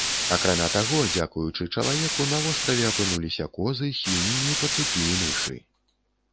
Акрамя таго, дзякуючы чалавеку на востраве апынуліся козы, свінні, пацукі і мышы.